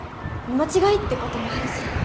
見間違いってこともあるし。